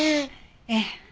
ええ。